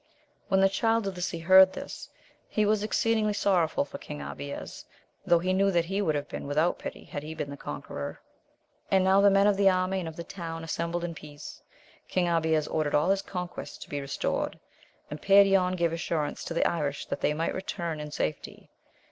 When the Child of the Sea heard this, he was exceeding sorrowful for King Abies, though he knew that he would have been without pity had he been the conqueror ; and now the men of the army and of the town assembled in peace, King Abies ordered all his conquests to be restored, and Perion gave assurance to the Irish that they might return in safety.